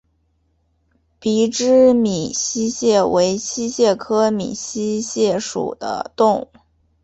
鼻肢闽溪蟹为溪蟹科闽溪蟹属的动物。